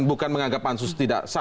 bukan menganggap pansus tidak sah